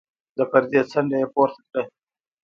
د پردې څنډه يې پورته کړه.